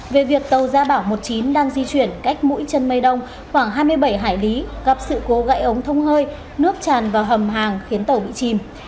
về việc tàu gia bảo một mươi chín đang di chuyển cách mũi chân mây đông khoảng hai mươi bảy hải lý gặp sự cố gãy ống thông hơi nước tràn vào hầm hàng khiến tàu bị chìm